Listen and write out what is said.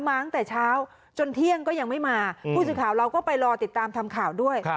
มาตั้งแต่เช้าจนเที่ยงก็ยังไม่มาผู้สื่อข่าวเราก็ไปรอติดตามทำข่าวด้วย